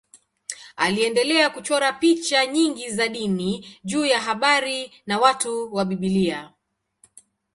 Aliendelea kuchora picha nyingi za dini juu ya habari na watu wa Biblia.